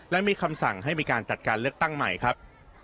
และมีคำสั่งให้มีการจัดการเลือกตั้งใหม่ครับ